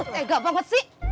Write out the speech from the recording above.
tegak banget sih